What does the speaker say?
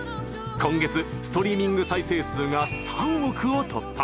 今月ストリーミング再生数が３億を突破！